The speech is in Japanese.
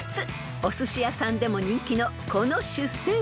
［おすし屋さんでも人気のこの出世魚］